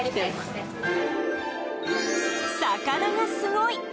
魚がすごい！